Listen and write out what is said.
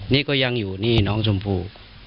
นี่ก็ยังอยู่นี่น้องชมพู่